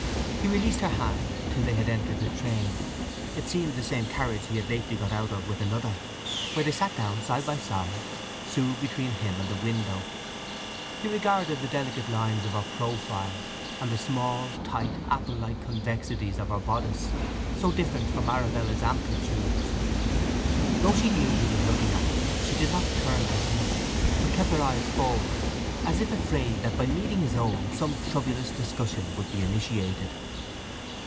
He released her hand till they had entered the train,—it seemed the same carriage he had lately got out of with another—where they sat down side by side, Sue between him and the window. He regarded the delicate lines of her profile, and the small, tight, applelike convexities of her bodice, so different from Arabella's amplitudes. Though she knew he was looking at her she did not turn to him, but kept her eyes forward, as if afraid that by meeting his own some troublous discussion would be initiated.